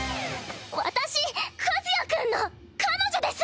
私和也君の彼女です！